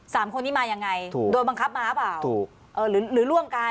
สามคนนี้มายังไงถูกโดนบังคับมาหรือเปล่าถูกเออหรือร่วมกัน